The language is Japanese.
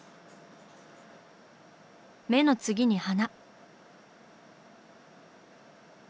目の次に鼻。